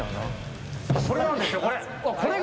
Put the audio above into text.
これなんですよ、これ。